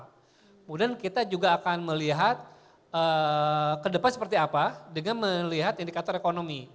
kemudian kita juga akan melihat ke depan seperti apa dengan melihat indikator ekonomi